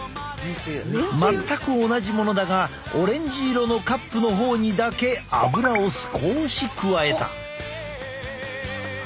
全く同じものだがオレンジ色のカップの方にだけアブラを少し加えた。